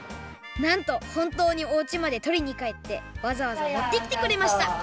なんとほんとうにおうちまでとりにかえってわざわざ持ってきてくれました！